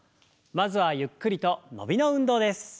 まずはゆっくりと伸びの運動です。